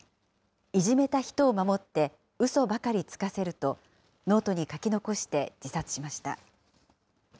いじめた人を守ってウソばかりつかせると、ノートに書き残して自殺しました。